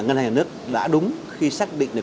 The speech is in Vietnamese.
ngân hàng nước đã đúng khi xác định được